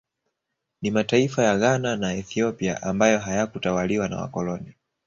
Ni mataifa ya Ghana na Ethiopia ambayo hayakutawaliwa na wakoloni